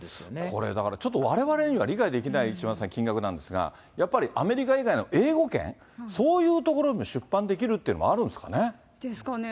これ、だからちょっとわれわれには理解できない島田さん、金額なんですが、やっぱりアメリカ以外の英語圏、そういう所で出版できるというのもあるんですかね。ですかね。